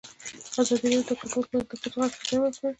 ازادي راډیو د کډوال په اړه د ښځو غږ ته ځای ورکړی.